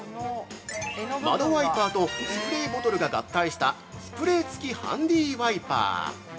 ◆窓ワイパーとスプレーボトルが合体したスプレー付ハンディワイパー。